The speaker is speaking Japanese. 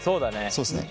そうっすね。